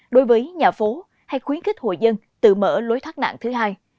đối với nhà phố hay khuyến khích hội dân tự mở lối thoát nạn thứ hai